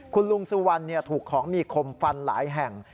คุณลุงสุวรรณถูกของมีคมฟันหลายแห่ง